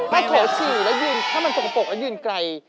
ถ้าโถสะกระปบแล้วยืนไกล